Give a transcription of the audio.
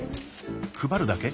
配るだけ？